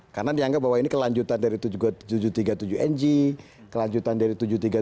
karena dianggap bahwa ini kelanjutan dari tujuh ratus tiga puluh tujuh ng kelanjutan dari tujuh ratus tiga puluh tujuh sembilan ratus